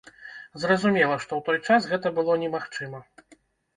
Зразумела, што ў той час гэта было немагчыма!